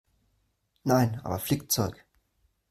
Nein, aber Flickzeug.